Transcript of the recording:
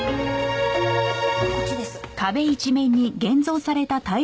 こっちです。